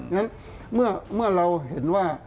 อย่างนั้นเมื่อเราเห็นว่า